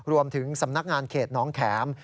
รวมถึงสำนักงานเขตน้องแข็ม